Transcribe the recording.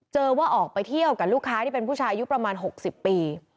ว่าออกไปเที่ยวกับลูกค้าที่เป็นผู้ชายอายุประมาณ๖๐ปี